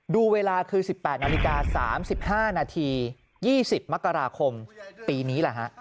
ดูเวลาคือ๑๘นาฬิกา๓๕นาที๒๐มกราคมปีนี้แหละฮะ